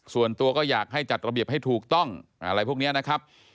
ส่วนตัวก็อยากให้จัดระเบียบให้ถูกต้องอะไรพวกนี้นะครับ